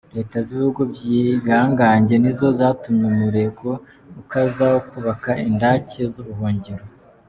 Leta z’ibihugu byibihangage nizo zatumye umurego ukaza wo kubaka indaki zubuhungiro.